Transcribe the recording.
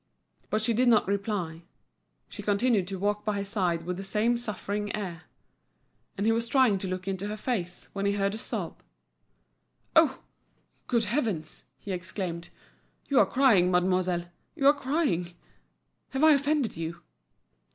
But she did not reply; she continued to walk by his side with the same suffering air. And he was trying to look into her face, when he heard a sob. "Oh! good heavens!" he exclaimed, "you are crying, mademoiselle, you are crying! Have I offended you?"